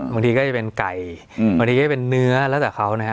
บางทีก็จะเป็นไก่บางทีก็จะเป็นเนื้อแล้วแต่เขานะฮะ